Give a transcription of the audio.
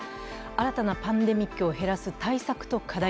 新たなパンデミックを減らす課題。